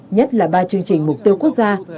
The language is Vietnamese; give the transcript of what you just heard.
nhất là ba chương trình mục tiêu quốc gia